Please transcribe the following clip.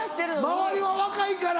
周りは若いから。